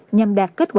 nhằm đạt kết quả